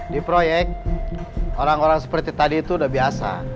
di proyek orang orang seperti tadi itu sudah biasa